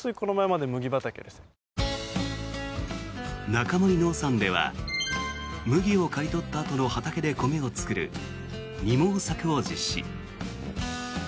中森農産では麦を刈り取ったあとの畑で米を作る二毛作を実施。